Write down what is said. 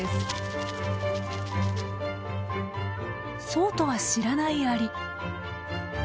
そうとは知らないアリ。